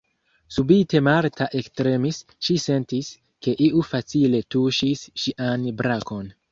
Subite Marta ektremis, ŝi sentis, ke iu facile tuŝis ŝian brakon.